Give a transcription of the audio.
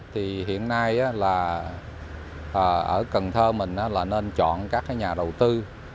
thì hiện nay là ở cần thơ mình là nên chọn các nhà đầu tư